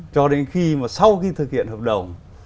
cho đến khi mà sau khi thực hiện hợp đồng